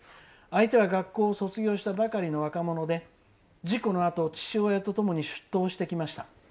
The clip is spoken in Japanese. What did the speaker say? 相手は学校を卒業したばかりの若者で事故のあと、父親とともに出頭してきました。